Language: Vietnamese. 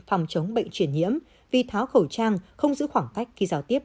phòng chống bệnh truyền nhiễm vì tháo khẩu trang không giữ khoảng cách khi giao tiếp